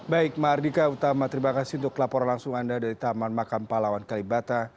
baik mahardika utama terima kasih untuk laporan langsung anda dari taman makam palawan kalibata